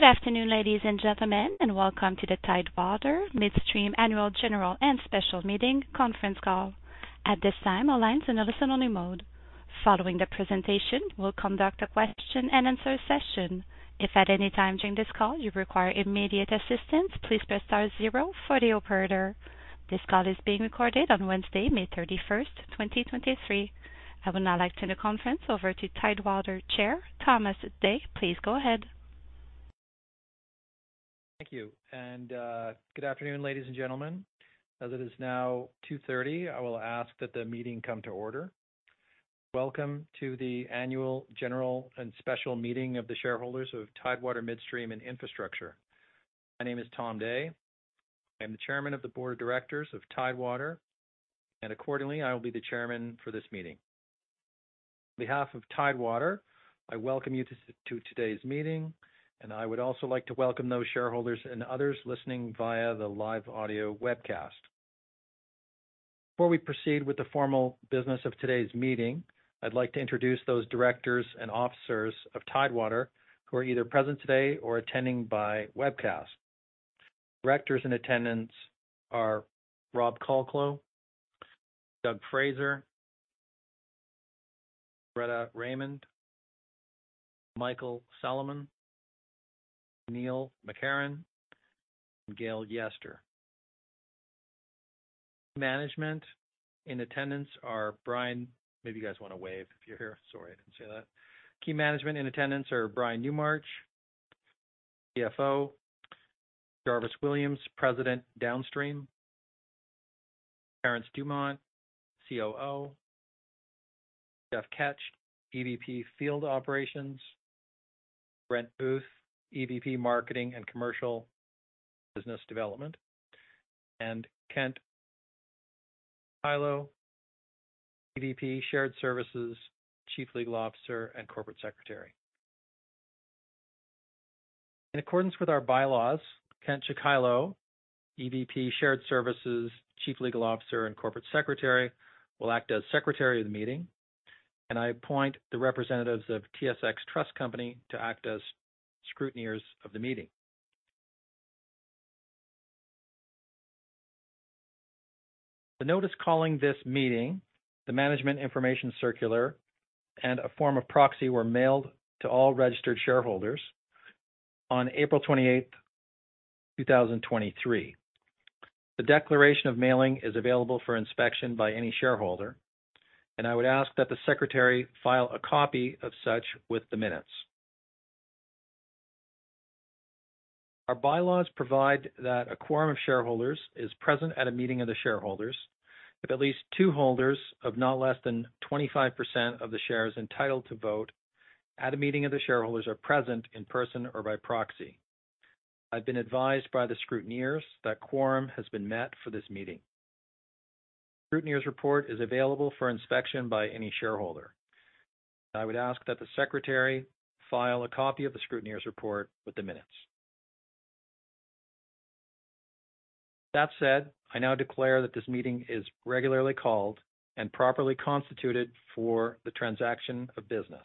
Good afternoon, ladies and gentlemen, welcome to the Tidewater Midstream Annual General and Special Meeting conference call. At this time, all lines in a listen-only mode. Following the presentation, we'll conduct a question and answer session. If at any time during this call you require immediate assistance, please press star zero for the operator. This call is being recorded on Wednesday, May 31st, 2023. I would now like to turn the conference over to Tidewater Chair, Thomas Dea. Please go ahead. Thank you, and good afternoon, ladies and gentlemen. As it is now 2:30 P.M., I will ask that the meeting come to order. Welcome to the Annual, General, and Special Meeting of the Shareholders of Tidewater Midstream and Infrastructure. My name is Tom Dea. I'm the chairman of the board of directors of Tidewater, and accordingly, I will be the chairman for this meeting. On behalf of Tidewater, I welcome you to today's meeting, and I would also like to welcome those shareholders and others listening via the live audio webcast. Before we proceed with the formal business of today's meeting, I'd like to introduce those Directors and officers of Tidewater who are either present today or attending by webcast. Directors in attendance are Rob Colcleugh, Doug Fraser, Bretta Raymond, Michael Salamon, Neil McCarron, and Gail Yester. Management in attendance are Brian... Maybe you guys wanna wave if you're here. Sorry, I didn't see that. Key management in attendance are Brian Newmarch, CFO, Jarvis Williams, President, Downstream, Terrence Dumont, COO, Jeff Ketch, EVP, Field Operations, Brent Booth, EVP, Marketing and Commercial Business Development, and Kent Chicilo, EVP, Shared Services, Chief Legal Officer, and Corporate Secretary. In accordance with our bylaws, Kent Chicilo, EVP, Shared Services, Chief Legal Officer, and Corporate Secretary, will act as secretary of the meeting, and I appoint the representatives of TSX Trust Company to act as scrutineers of the meeting. The notice calling this meeting, the management information circular, and a form of proxy were mailed to all registered shareholders on April 28, 2023. The declaration of mailing is available for inspection by any shareholder, and I would ask that the secretary file a copy of such with the minutes. Our bylaws provide that a quorum of shareholders is present at a meeting of the shareholders. If at least two holders of not less than 25% of the shares entitled to vote at a meeting of the shareholders are present in person or by proxy. I've been advised by the scrutineers that quorum has been met for this meeting. Scrutineers report is available for inspection by any shareholder. I would ask that the secretary file a copy of the scrutineers report with the minutes. I now declare that this meeting is regularly called and properly constituted for the transaction of business.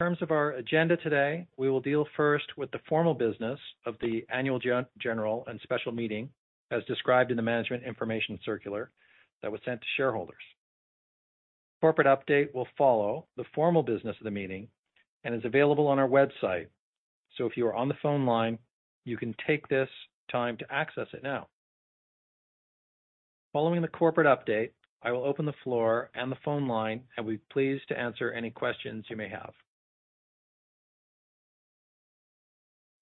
In terms of our agenda today, we will deal first with the formal business of the annual general and special meeting, as described in the management information circular that was sent to shareholders. Corporate update will follow the formal business of the meeting and is available on our website. If you are on the phone line, you can take this time to access it now. Following the corporate update, I will open the floor and the phone line and be pleased to answer any questions you may have.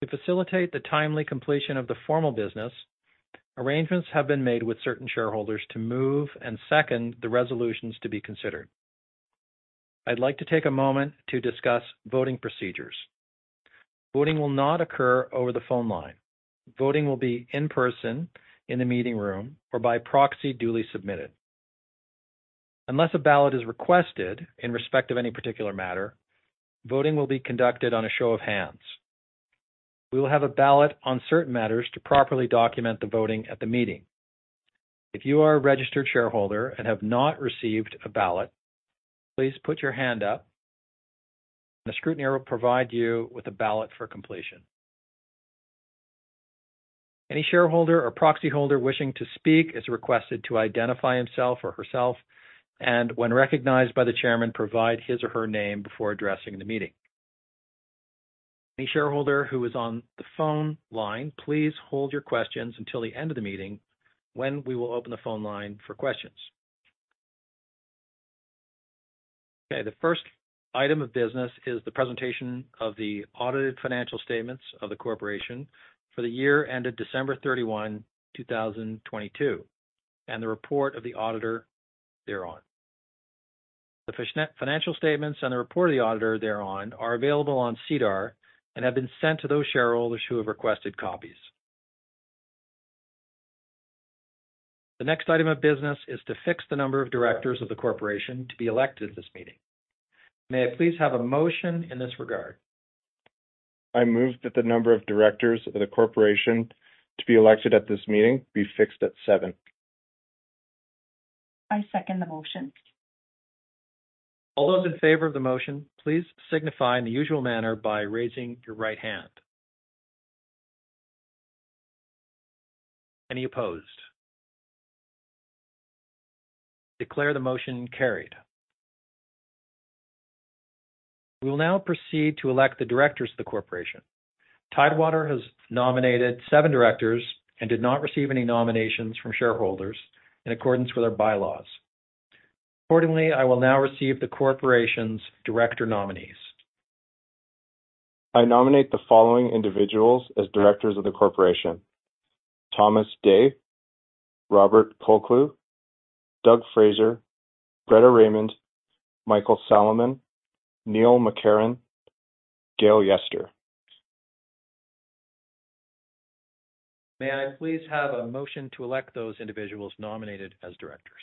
To facilitate the timely completion of the formal business, arrangements have been made with certain shareholders to move and second the resolutions to be considered. I'd like to take a moment to discuss voting procedures. Voting will not occur over the phone line. Voting will be in person in the meeting room or by proxy duly submitted. Unless a ballot is requested in respect of any particular matter, voting will be conducted on a show of hands. We will have a ballot on certain matters to properly document the voting at the meeting. If you are a registered shareholder and have not received a ballot, please put your hand up, and the scrutineer will provide you with a ballot for completion. Any shareholder or proxy holder wishing to speak is requested to identify himself or herself, and when recognized by the chairman, provide his or her name before addressing the meeting. Any shareholder who is on the phone line, please hold your questions until the end of the meeting when we will open the phone line for questions. Okay, the first item of business is the presentation of the audited financial statements of the corporation for the year ended December 31, 2022, and the report of the auditor thereon. The financial statements and the report of the auditor thereon are available on SEDAR and have been sent to those shareholders who have requested copies. The next item of business is to fix the number of directors of the corporation to be elected at this meeting. May I please have a motion in this regard? I move that the number of directors of the corporation to be elected at this meeting be fixed at seven. I second the motion. All those in favor of the motion, please signify in the usual manner by raising your right hand. Any opposed? Declare the motion carried. We will now proceed to elect the directors of the corporation. Tidewater has nominated 7 directors and did not receive any nominations from shareholders in accordance with our bylaws. Accordingly, I will now receive the corporation's director nominees. I nominate the following individuals as directors of the corporation: Thomas Dea, Robert Colcleugh, Doug Fraser, Bretta Raymond, Michael Salamon, Neil McCarron, Gail Yester. May I please have a motion to elect those individuals nominated as directors?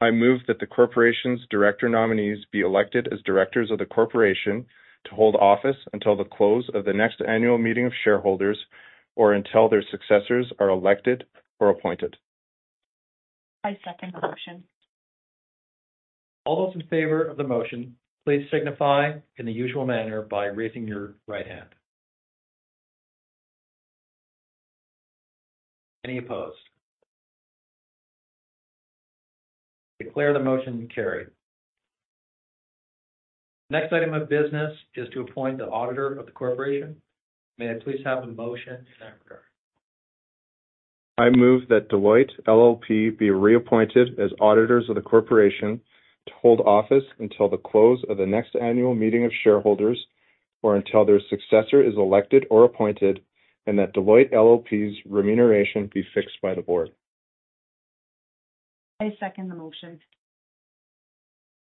I move that the corporation's director nominees be elected as directors of the corporation to hold office until the close of the next annual meeting of shareholders or until their successors are elected or appointed. I second the motion. All those in favor of the motion, please signify in the usual manner by raising your right hand. Any opposed? Declare the motion carried. Next item of business is to appoint the auditor of the corporation. May I please have a motion in that regard? I move that Deloitte LLP be reappointed as auditors of the corporation to hold office until the close of the next annual meeting of shareholders or until their successor is elected or appointed, and that Deloitte LLP's remuneration be fixed by the board. I second the motion.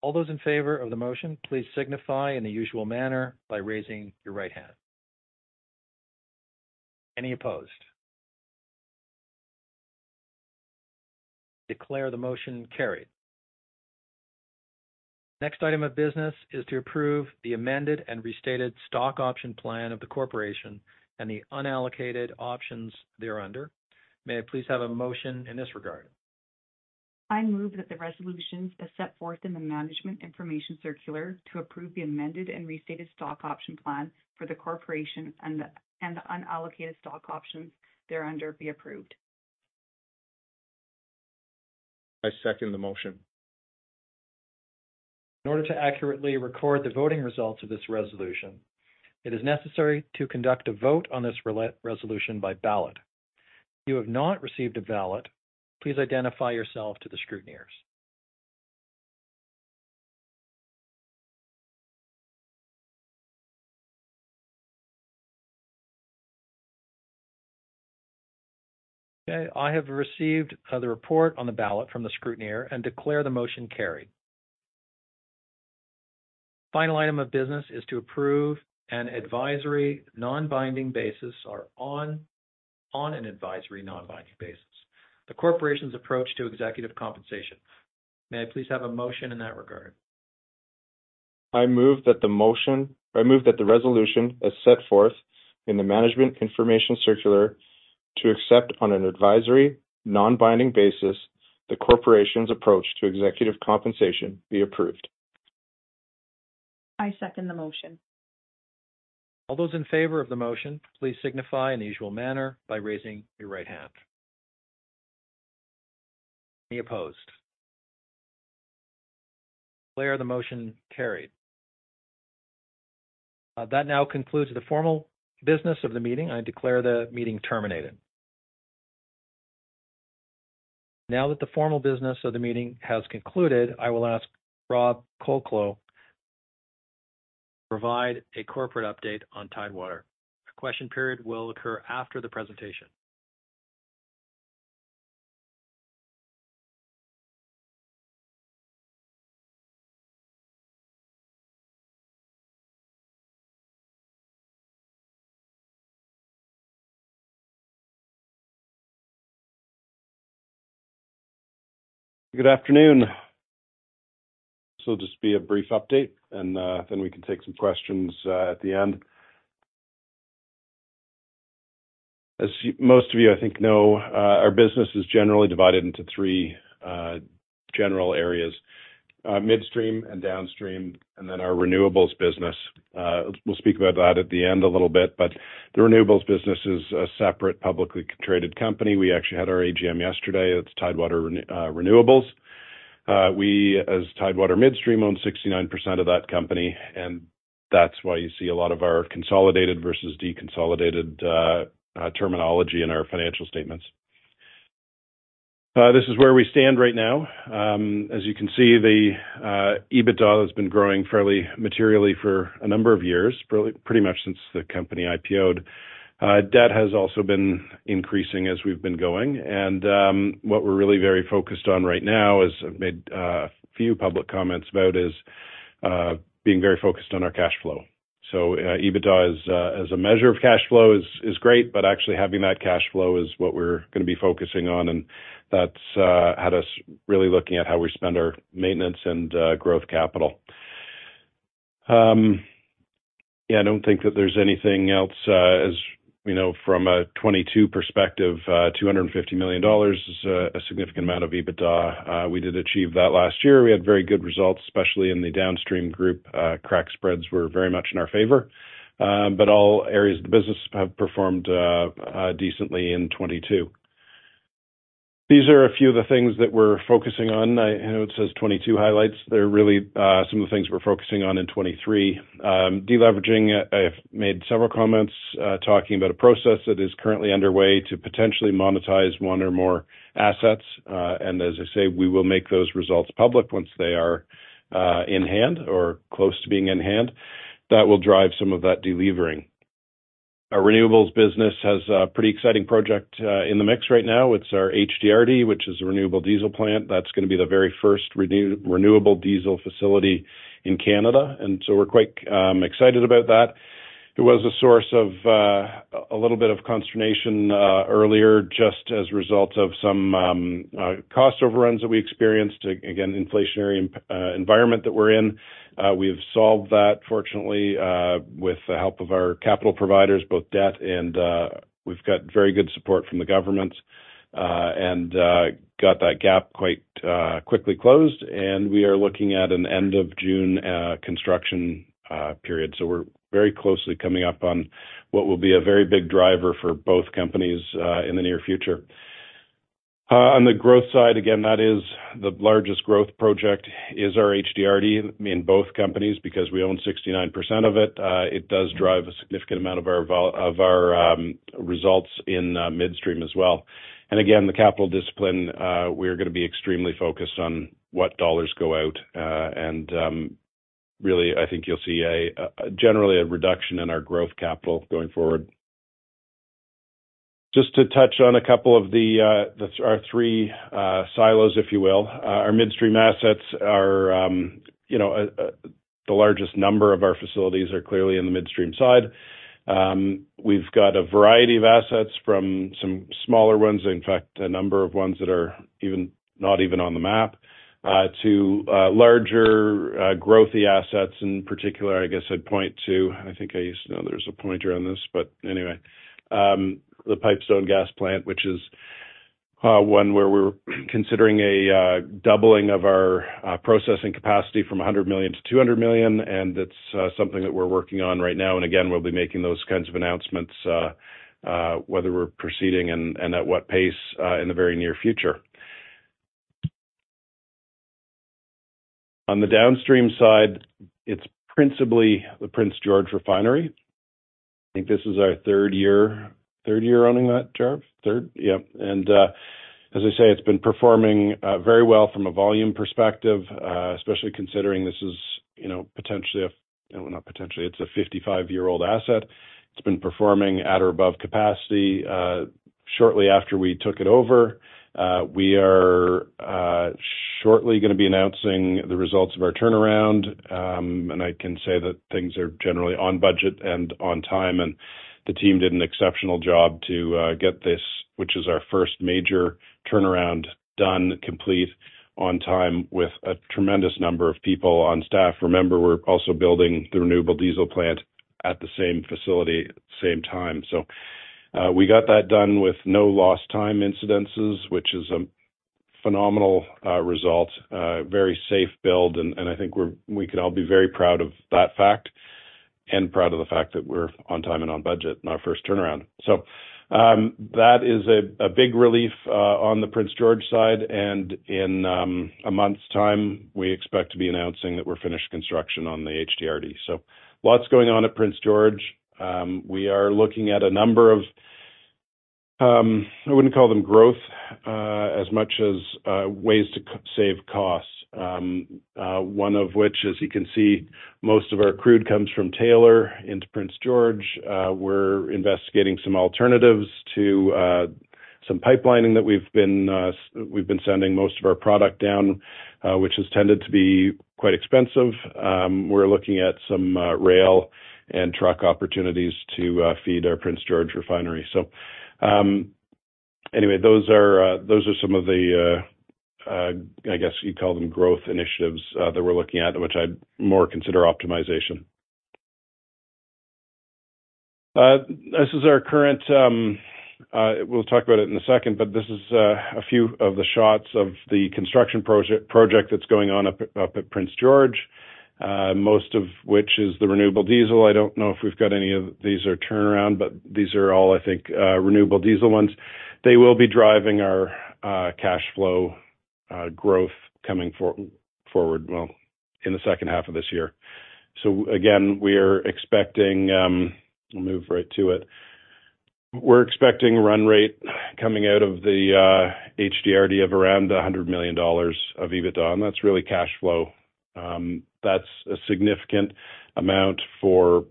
All those in favor of the motion, please signify in the usual manner by raising your right hand. Any opposed? Declare the motion carried. Next item of business is to approve the amended and restated stock option plan of the corporation and the unallocated options thereunder. May I please have a motion in this regard? I move that the resolutions as set forth in the management information circular to approve the amended and restated stock option plan for the corporation and the unallocated stock options thereunder be approved. I second the motion. In order to accurately record the voting results of this resolution, it is necessary to conduct a vote on this resolution by ballot. If you have not received a ballot, please identify yourself to the scrutineers. Okay, I have received the report on the ballot from the scrutineer and declare the motion carried. Final item of business is to approve on an advisory non-binding basis, the corporation's approach to executive compensation. May I please have a motion in that regard? I move that the resolution as set forth in the management information circular to accept on an advisory, non-binding basis, the corporation's approach to executive compensation be approved. I second the motion. All those in favor of the motion, please signify in the usual manner by raising your right hand. Any opposed? Declare the motion carried. That now concludes the formal business of the meeting. I declare the meeting terminated. Now that the formal business of the meeting has concluded, I will ask Rob Colcleugh to provide a corporate update on Tidewater. A question period will occur after the presentation. Good afternoon. This will just be a brief update, and then we can take some questions at the end. As you, most of you, I think, know, our business is generally divided into three general areas: midstream and downstream, and then our renewables business. We'll speak about that at the end a little bit, but the renewables business is a separate, publicly traded company. We actually had our AGM yesterday. It's Tidewater Renewables. We, as Tidewater Midstream, own 69% of that company, and that's why you see a lot of our consolidated versus deconsolidated terminology in our financial statements. This is where we stand right now. As you can see, the EBITDA has been growing fairly materially for a number of years, pretty much since the company IPOd. Debt has also been increasing as we've been going, what we're really very focused on right now is, I've made a few public comments about, is being very focused on our cash flow. EBITDA as a measure of cash flow is great, but actually having that cash flow is what we're gonna be focusing on, and that's had us really looking at how we spend our maintenance and growth capital. Yeah, I don't think that there's anything else, as you know, from a 2022 perspective, 250 million dollars is a significant amount of EBITDA. We did achieve that last year. We had very good results, especially in the Downstream group. Crack spreads were very much in our favor. All areas of the business have performed decently in 2022. These are a few of the things that we're focusing on. I know it says 2022 highlights. They're really some of the things we're focusing on in 2023. Deleveraging. I've made several comments talking about a process that is currently underway to potentially monetize one or more assets. As I say, we will make those results public once they are in hand or close to being in hand. That will drive some of that delevering. Our renewables business has a pretty exciting project in the mix right now. It's our HDRD, which is a renewable diesel plant. That's going to be the very first renewable diesel facility in Canada. We're quite excited about that. It was a source of a little bit of consternation earlier, just as a result of some cost overruns that we experienced. Again, inflationary environment that we're in. We've solved that, fortunately, with the help of our capital providers, both debt and we've got very good support from the government, and got that gap quite quickly closed. We are looking at an end of June construction period. We're very closely coming up on what will be a very big driver for both companies in the near future. On the growth side, again, that is the largest growth project is our HDRD in both companies, because we own 69% of it. It does drive a significant amount of our results in Midstream as well. Again, the capital discipline, we are going to be extremely focused on what dollars go out. Really, I think you'll see a generally a reduction in our growth capital going forward. Just to touch on a couple of our three silos, if you will. Our midstream assets are, you know, the largest number of our facilities are clearly in the midstream side. We've got a variety of assets from some smaller ones. In fact, a number of ones that are even, not even on the map, to larger, growthy assets. In particular, I guess I'd point to... I think I used to know there was a pointer on this, but anyway. The Pipestone gas plant, which is one where we're considering a doubling of our processing capacity from 100 million to 200 million, and that's something that we're working on right now. Again, we'll be making those kinds of announcements whether we're proceeding and at what pace in the very near future. On the downstream side, it's principally the Prince George Refinery. I think this is our 3rd year owning that, Jarv? Third? Yeah. As I say, it's been performing very well from a volume perspective, especially considering this is, you know, potentially, well, not potentially, it's a 55-year-old asset. It's been performing at or above capacity shortly after we took it over. We are shortly going to be announcing the results of our turnaround. I can say that things are generally on budget and on time, and the team did an exceptional job to get this, which is our first major turnaround, done, complete on time, with a tremendous number of people on staff. Remember, we're also building the renewable diesel plant at the same facility at the same time. We got that done with no lost time incidences, which is a phenomenal result, very safe build, and I think we can all be very proud of that fact, and proud of the fact that we're on time and on budget in our first turnaround. That is a big relief on the Prince George side, and in a month's time, we expect to be announcing that we're finished construction on the HDRD. Lots going on at Prince George. We are looking at a number of, I wouldn't call them growth, as much as, ways to save costs. One of which, as you can see, most of our crude comes from Taylor into Prince George. We're investigating some alternatives to some pipelining that we've been sending most of our product down, which has tended to be quite expensive. We're looking at some rail and truck opportunities to feed our Prince George Refinery. Anyway, those are some of the, I guess you'd call them growth initiatives, that we're looking at, which I'd more consider optimization. This is our current. We'll talk about it in a second, but this is a few of the shots of the construction project that's going on up at Prince George, most of which is the renewable diesel. I don't know if we've got any of these are turnaround, but these are all, I think, renewable diesel ones. They will be driving our cash flow growth coming forward, well, in the second half of this year. Again, we're expecting. I'll move right to it. We're expecting run rate coming out of the HDRD of around 100 million dollars of EBITDA, and that's really cash flow. That's a significant amount for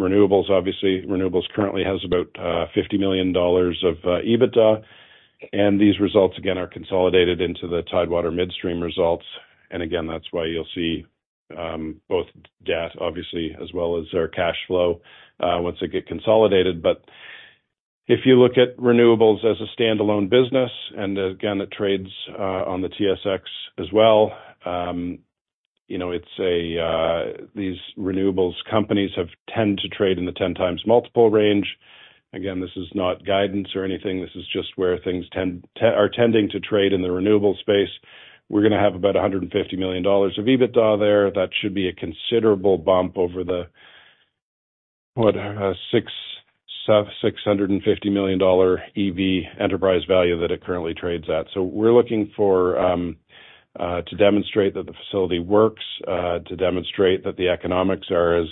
renewables. Obviously, renewables currently has about 50 million dollars of EBITDA, and these results again, are consolidated into the Tidewater Midstream results. That's why you'll see, both debt obviously, as well as our cash flow, once they get consolidated. If you look at renewables as a standalone business, it trades on the TSX as well, you know, it's a, these renewables companies have tend to trade in the 10 times multiple range. This is not guidance or anything. This is just where things are tending to trade in the renewable space. We're gonna have about 150 million dollars of EBITDA there. That should be a considerable bump over the, what? 650 million dollar EV enterprise value that it currently trades at. We're looking for to demonstrate that the facility works, to demonstrate that the economics are as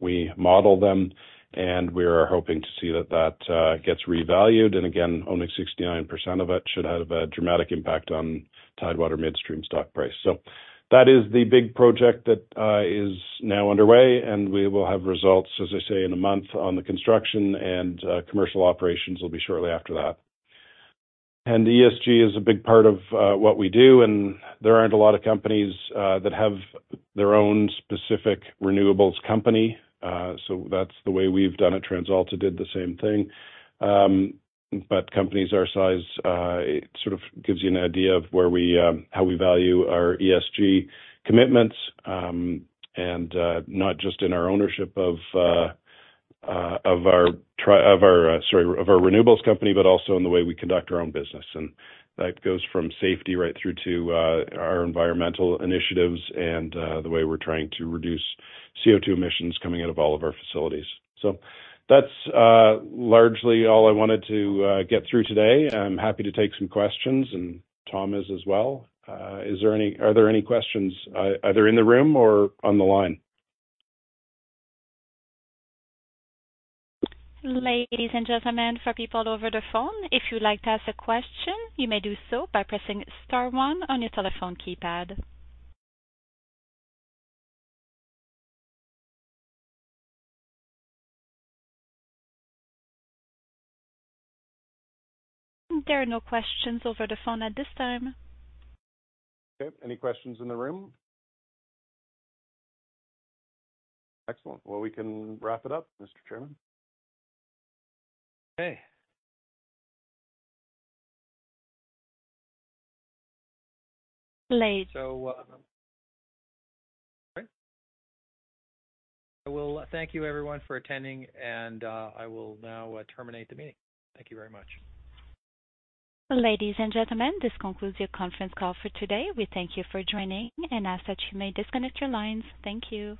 we model them, and we are hoping to see that gets revalued. Again, only 69% of it should have a dramatic impact on Tidewater Midstream stock price. That is the big project that is now underway, and we will have results, as I say, in a month on the construction and commercial operations will be shortly after that. ESG is a big part of what we do, and there aren't a lot of companies that have their own specific renewables company. That's the way we've done it. TransAlta did the same thing. Companies our size, it sort of gives you an idea of where we, how we value our ESG commitments, and not just in our ownership of our renewables company, but also in the way we conduct our own business. That goes from safety right through to our environmental initiatives and the way we're trying to reduce CO2 emissions coming out of all of our facilities. That's largely all I wanted to get through today. I'm happy to take some questions, and Tom is as well. Are there any questions either in the room or on the line? Ladies and gentlemen, for people over the phone, if you'd like to ask a question, you may do so by pressing star one on your telephone keypad. There are no questions over the phone at this time. Okay. Any questions in the room? Excellent. We can wrap it up, Mr. Chairman. Okay. Please. All right. I will thank you everyone for attending, I will now terminate the meeting. Thank you very much. Ladies and gentlemen, this concludes your conference call for today. We thank you for joining and ask that you may disconnect your lines. Thank you.